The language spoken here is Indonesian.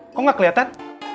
kau gak keliatan